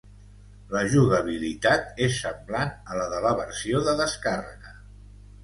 La jugabilitat és semblant a la de la versió de descàrrega.